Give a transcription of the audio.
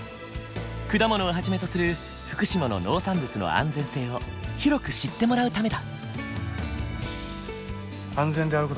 果物をはじめとする福島の農産物の安全性を広く知ってもらうためだ。